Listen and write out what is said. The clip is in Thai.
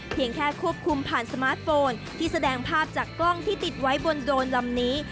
เพียงแค่ควบคุมผ่านสมาร์ทโฟนที่แสดงภาพจากกล้องที่ติดไว้บนโดรนลำนี้